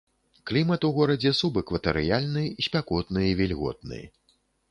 Клімат у горадзе субэкватарыяльны, спякотны і вільготны.